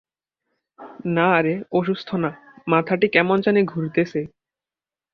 না রে অসুস্থ না, মাথাটা কেমন জানি ঘুরতেছে।